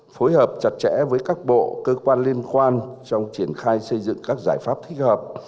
phối hợp chặt chẽ với các bộ cơ quan liên quan trong triển khai xây dựng các giải pháp thích hợp